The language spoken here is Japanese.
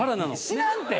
知らんて！